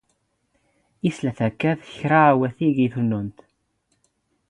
ⵉⵙ ⴰⵔ ⵜⴰⴽⴽⴰⴷ ⴽⵔⴰ ⵡⴰⵜⵉⴳ ⵉ ⵜⵓⵏⵏⵓⵏⵜ?